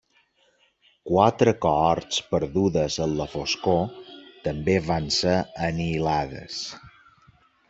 Quatre cohorts perdudes en la foscor també van ser anihilades.